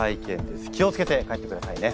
気を付けて帰ってくださいね。